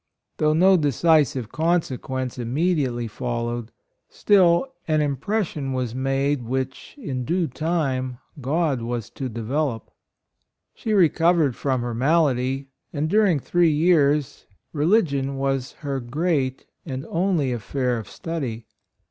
Though no decisive con sequence immediately followed, still an impression was made which, in due time, God was to develop. — She recovered from her malady, and, during three years, religion was her great and only affair of study.